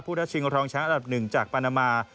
ได้ชิงรองช้างอันดับ๑จากปานามา